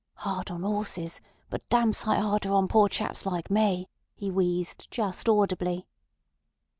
"'Ard on 'osses, but dam' sight 'arder on poor chaps like me," he wheezed just audibly.